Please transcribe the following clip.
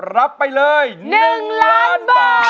รับไปเลย๑ล้านบาท